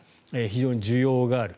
非常に需要がある。